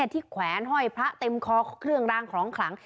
แขวนห้อยพระเต็มคอเครื่องรางของขลัง